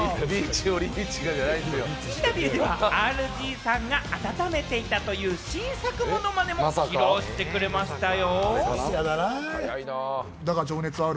インタビューでは、ＲＧさんが温めていたという新作ものまねも披露してくれましたよ。